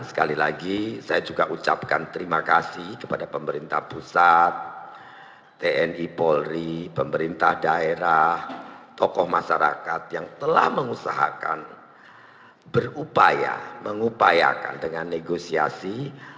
sekali lagi saya juga ucapkan terima kasih kepada pemerintah pusat tni polri pemerintah daerah tokoh masyarakat yang telah mengusahakan berupaya mengupayakan dengan negosiasi